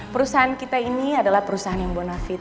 perusahaan kita ini adalah perusahaan yang bonafit